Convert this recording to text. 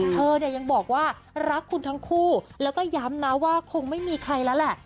เธอเนี่ยยังบอกว่ารักคุณทั้งคู่แล้วก็ย้ำนะว่าคงไม่มีใครแล้วแหละ